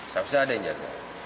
sampai saja ada yang jaga